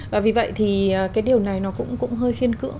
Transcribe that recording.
và vì vậy thì cái điều này nó cũng hơi khiên cưỡng